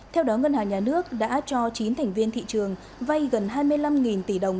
theo đó ngân hàng nhà nước đã cho chín thành viên thị trường vay gần hai mươi năm tỷ đồng